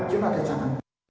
chứ không phải thật sẵn